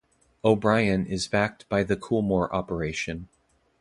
O'Brien is backed by the Coolmore operation.